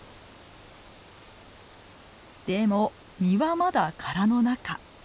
でも実はまだ殻の中。